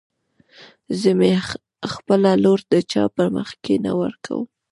زه مې خپله لور د چا په مخکې نه ورکم.